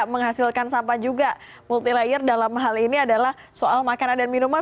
menghasilkan sampah juga multi layer dalam hal ini adalah soal makanan dan minuman